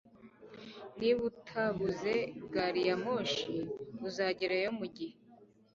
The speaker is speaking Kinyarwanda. niba utabuze gari ya moshi, uzagerayo mugihe